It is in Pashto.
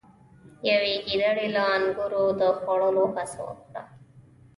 یوې ګیدړې له انګورو د خوړلو هڅه وکړه.